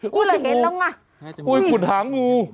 กูเลยเห็นแล้วไงอุ้ยขุดหางู